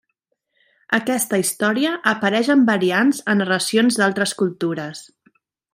Aquesta història apareix amb variants a narracions d'altres cultures.